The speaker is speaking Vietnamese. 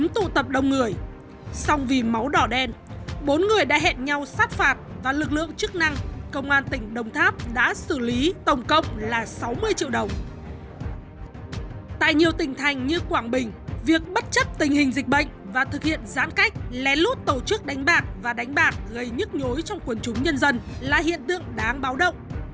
tại nhiều tỉnh thành như quảng bình việc bất chấp tình hình dịch bệnh và thực hiện giãn cách lén lút tổ chức đánh bạc và đánh bạc gây nhức nhối trong quần chúng nhân dân là hiện tượng đáng báo động